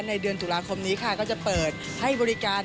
ในเดือนตุลาคมนี้ค่ะก็จะเปิดให้บริการ